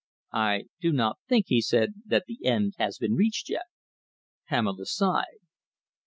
"I do not think," he said, "that the end has been reached yet." Pamela sighed.